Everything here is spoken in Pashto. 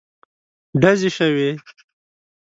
ډزې شوې.